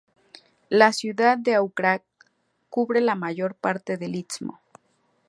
La ciudad de Auckland cubre la mayor parte del istmo.